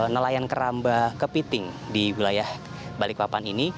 nelayan keramba kepiting di wilayah balikpapan ini